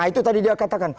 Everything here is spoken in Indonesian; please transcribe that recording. itu tadi dia katakan